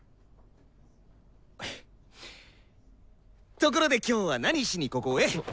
ところで今日は何しにここへ？